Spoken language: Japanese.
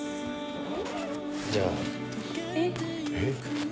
じゃあ。えっ？